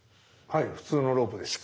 はい普通のロープです。